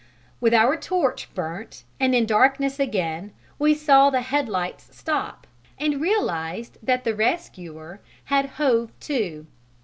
With our torch burnt and in darkness again we saw the headlights stop, and realized that the rescuer had hove to.